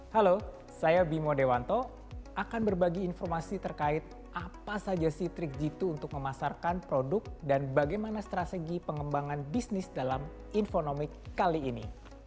halo saya bimo dewanto akan berbagi informasi terkait apa saja sih trik g dua untuk memasarkan produk dan bagaimana strategi pengembangan bisnis dalam infonomik kali ini